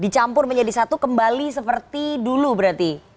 dicampur menjadi satu kembali seperti dulu berarti